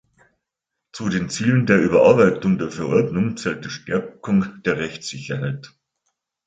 Zu den Zielen der Überarbeitung der Verordnung zählt die Stärkung der Rechtssicherheit.